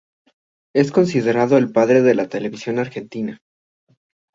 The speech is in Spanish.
Es considerado el padre de la televisión argentina.